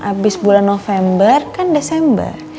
abis bulan november kan desember